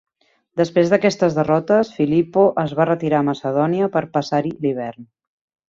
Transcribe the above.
Després d'aquestes derrotes, Filipo es va retirar a Macedònia per passar-hi l'hivern.